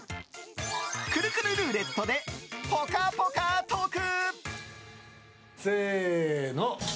くるくるルーレットでぽかぽかトーク！